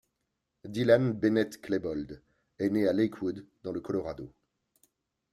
Dylan Bennet Klebold est né à Lakewood, dans le Colorado.